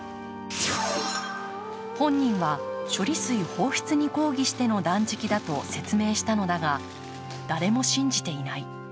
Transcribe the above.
本人は処理水放出に抗議しての断食だと説明したのだが、誰も信じていない。